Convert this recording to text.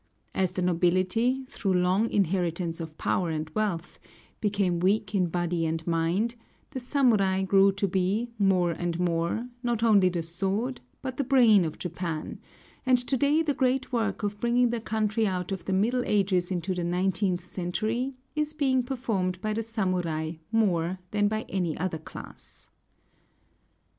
As the nobility, through long inheritance of power and wealth, became weak in body and mind, the samurai grew to be, more and more, not only the sword, but the brain of Japan; and to day the great work of bringing the country out of the middle ages into the nineteenth century is being performed by the samurai more than by any other class.